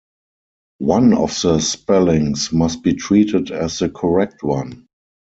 One of the spellings must be treated as the correct one.